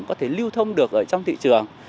có thể lưu thông được ở trong thị trường